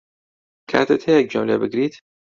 کاتت هەیە گوێم لێ بگریت؟